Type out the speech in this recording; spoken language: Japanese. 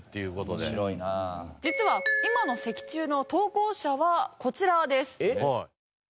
実は今の石柱の投稿者はこちらです。